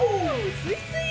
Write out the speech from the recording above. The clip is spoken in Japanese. スイスイ！